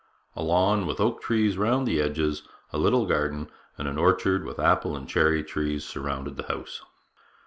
A 'lawn with oak trees round the edges,' a little garden and orchard with apple and cherry trees, surrounded the house.